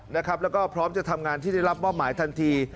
แล้วก็พร้อมจะทำงานที่ได้รับมอบหมายทันที